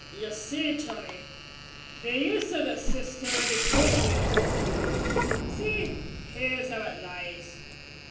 "You see, Tommy, the use o' the cistern is hobvious. See, here's 'ow it lies.